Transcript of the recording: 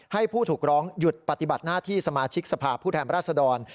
ให้ผู้ถูกร้องหยุดปฏิบัติหน้าที่สมาชิกสภาพผู้แทนราชดร